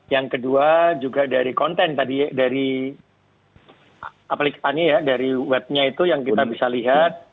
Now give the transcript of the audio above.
yang kedua juga dari konten tadi dari aplikasi dari webnya itu yang kita bisa lihat